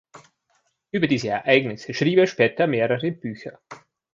Über diese Ereignisse schrieb er später mehrere Bücher.